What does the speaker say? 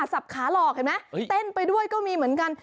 สับขาหลอกเห็นไหมเต้นไปด้วยก็มีเหมือนกัน